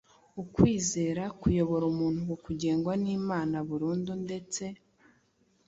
ukwizera kuyobora umuntu ku kugengwa n’Imana burundu ndetse